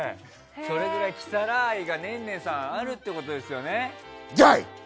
それぐらいキサラ愛がねんねんさんあるってことですよね？